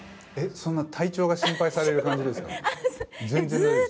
そんな体調が心配される感じですか。